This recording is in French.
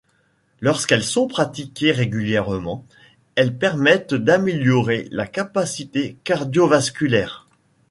Lorsqu'elles sont pratiquées régulièrement, elles permettent d'améliorer la capacité cardiovasculaire.